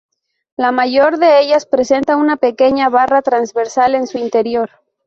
La mayor de ellas presenta una pequeña barra transversal en su interior.